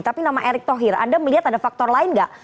tapi nama erick thohir anda melihat ada faktor lain nggak